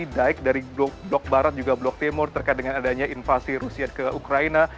baik dari blok barat juga blok timur terkait dengan adanya invasi rusia ke ukraina